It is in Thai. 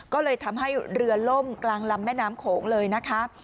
ก็เลยทำให้เรือล่มกลางลำแม่น้ำโขงเลยนะคะ